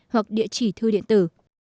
hoặc địa chỉ thư điện tử